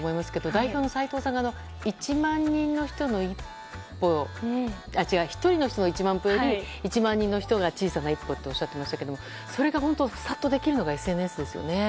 代表の齋藤さんが１人の人の１万歩より１万人の人の小さな一歩とおっしゃっていましたがそれがさっとできるのがＳＮＳですよね。